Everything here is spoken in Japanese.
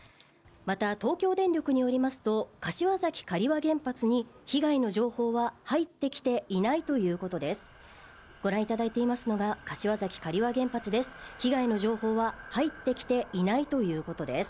東京電力によりますと、柏崎刈羽原発に被害の情報は入ってきていないということです。